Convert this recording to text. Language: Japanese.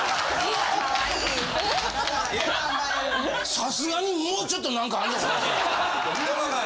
さすがにもうちょっと何かあんのかなと。